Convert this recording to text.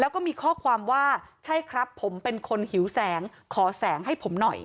แล้วก็มีข้อความว่าใช่ครับผมเป็นคนหิวแสงขอแสงให้ผมหน่อย